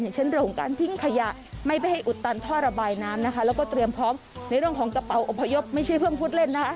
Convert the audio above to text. ใช้ชั้นเร็วของการพิ้งขยะไม่ไปให้อุดตันคนระบายน้ำนะคะแล้วก็เตรียมพร้อมในโรงของกระเป๋าอพยกไม่ใช่เพิ่มฮุดเล่นนะคะ